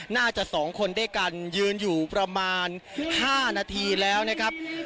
น่าจะ๒คนด้วยกันยืนอยู่ประมาณ๕นาทีแล้วนะครับ